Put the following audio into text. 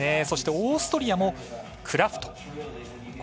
そして、オーストリアもクラフト。